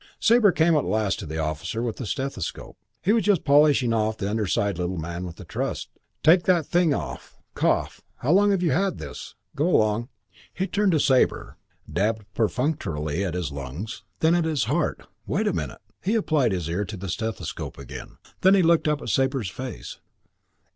Sabre came last to the officer with the stethoscope. He was just polishing off the undersized little man with the truss. "Take that thing off. Cough. How long have you had this? Go along." He turned to Sabre, dabbed perfunctorily at his lungs, then at his heart. "Wait a minute." He applied his ear to the stethoscope again. Then he looked up at Sabre's face.